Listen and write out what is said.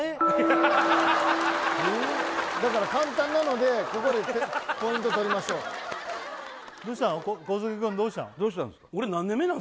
だから簡単なのでここでポイント取りましょうどうしたんですか？